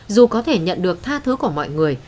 dù có thể nhận được tha thứ của mọi người